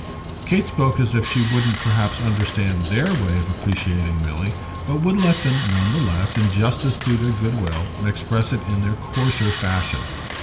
Kate spoke as if she wouldn't perhaps understand THEIR way of appreciating Milly, but would let them none the less, in justice to their good will, express it in their coarser fashion.